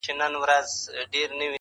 نن د اباسین د جاله وان حماسه ولیکه-